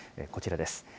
こちらです。